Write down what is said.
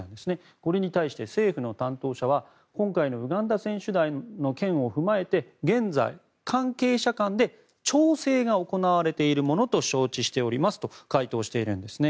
これに対して、政府の担当者は今回のウガンダ選手団の件を踏まえて現在、関係者間で調整が行われているものと承知しておりますと回答しているんですね。